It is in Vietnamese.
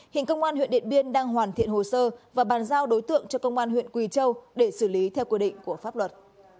hiện công an huyện điện biên đang hoàn thiện hồ sơ và bàn giao đối tượng cho công an huyện quỳ châu để xử lý theo quy định của pháp luật